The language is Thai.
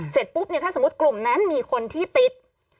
เสร็จปุ๊บเนี่ยถ้าสมมุติกลุ่มนั้นมีคนที่ติด